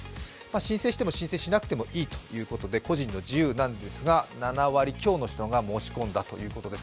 申請しても申請しなくてもいいということで、個人の自由なんですが、７割強の人が申し込んだということです。